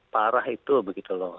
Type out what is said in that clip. parah itu begitu loh